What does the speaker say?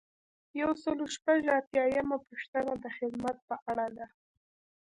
یو سل او شپږ اتیایمه پوښتنه د خدمت په اړه ده.